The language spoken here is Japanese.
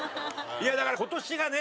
いやだから今年がね